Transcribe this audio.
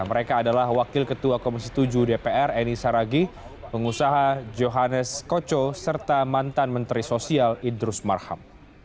mereka adalah wakil ketua komisi tujuh dpr eni saragih pengusaha johannes koco serta mantan menteri sosial idrus marham